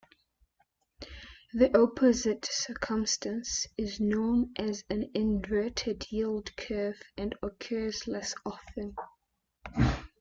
The opposite circumstance is known as an inverted yield curve and occurs less often.